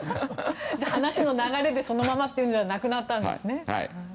話の流れでそのままというのはなくなったんですね。